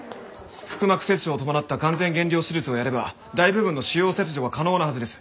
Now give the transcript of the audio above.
腹膜切除を伴った完全減量手術をやれば大部分の腫瘍切除が可能なはずです。